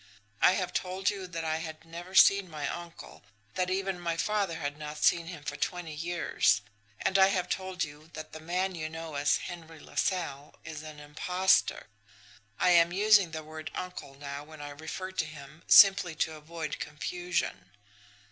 "I have told you that I had never seen my uncle, that even my father had not seen him for twenty years; and I have told you that the man you know as Henry LaSalle is an impostor I am using the word 'uncle' now when I refer to him simply to avoid confusion.